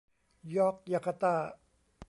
ยอร์คยาการ์ต้า